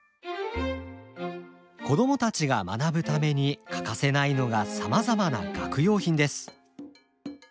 子供たちが学ぶために欠かせないのがさまざまな学用品です。